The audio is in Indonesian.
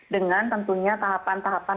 dengan tentunya tahapan tahapan